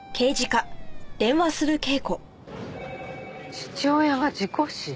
父親が事故死？